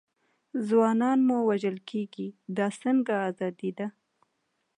ځوانان مو وژل کېږي، دا څنګه ازادي ده.